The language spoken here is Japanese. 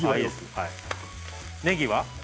ねぎは？